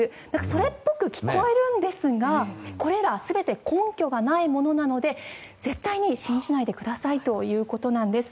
それっぽく聞こえるんですがこれら全て根拠がないものなので絶対に信じないでくださいということです。